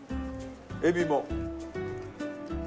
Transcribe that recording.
エビも。